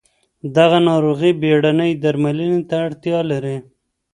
دغه ناروغي بېړنۍ درملنې ته اړتیا لري.